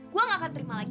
gue gak akan terima lagi